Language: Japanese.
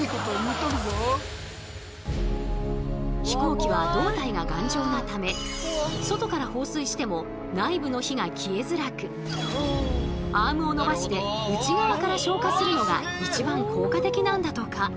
飛行機は胴体が頑丈なため外から放水しても内部の火が消えづらくアームを伸ばして内側から消火するのが一番効果的なんだとか。